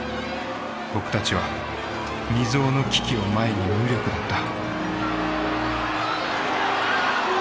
僕たちは未曽有の危機を前に無力だった。